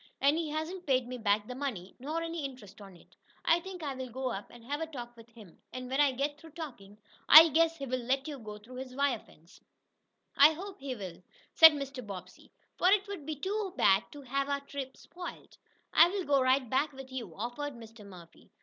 And he hasn't paid me back the money, nor any interest on it. I think I'll go up and have a talk with him. And, when I get through talking, I guess he'll let you go through his wire fence." "I hope he will," said Mr. Bobbsey, "for it would be too bad to have our trip spoiled." "I'll go right back with you," offered Mr. Murphy.